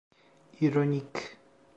İronik…